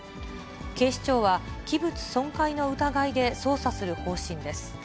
警視庁は、器物損壊の疑いで捜査する方針です。